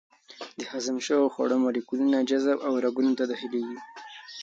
د هضم شوو خوړو مالیکولونه جذب او رګونو ته داخلېږي.